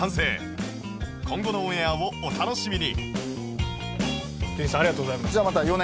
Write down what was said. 今後のオンエアをお楽しみに